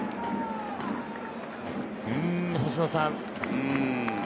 星野さん。